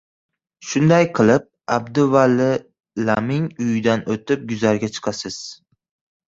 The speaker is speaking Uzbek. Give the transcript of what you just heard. Shunday qilib, Abduvalilaming uyidan o‘tib guzarga chiqasiz.